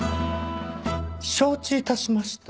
承知致しました。